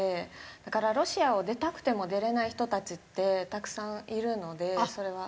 だからロシアを出たくても出れない人たちってたくさんいるのでそれは。